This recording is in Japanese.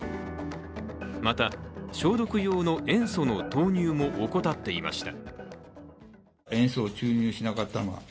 また、消毒用の塩素の投入も怠っていました。